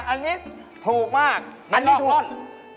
อันนี้ถูกมากไม่ลอกลอดฮะ